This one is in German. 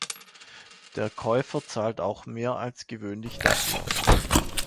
Der Käufer zahlt auch mehr als gewöhnlich dafür.